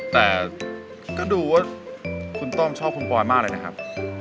แต่ก็ดูว่าคุณต้อมชอบคุณปอยมากเลยนะครับ